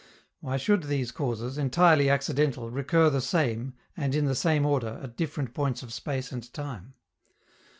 Why should these causes, entirely accidental, recur the same, and in the same order, at different points of space and time?